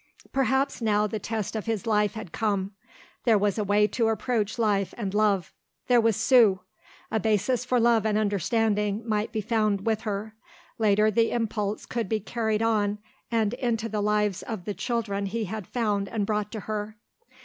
Perhaps now the test of his life had come. There was a way to approach life and love. There was Sue. A basis for love and understanding might be found with her. Later the impulse could be carried on and into the lives of the children he had found and brought to her.